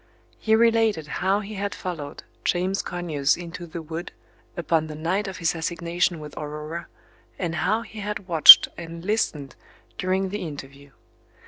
He related how he had followed James Conyers into the wood upon the night of his assignation with Aurora, and how he had watched and listened during the interview.